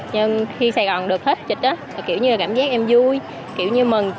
nhưng khi sài gòn được hết dịch đó kiểu như là cảm giác em vui kiểu như mừng